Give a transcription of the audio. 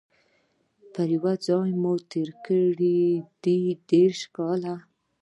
پر یوه ځای مو تیر کړي دي دیرش کاله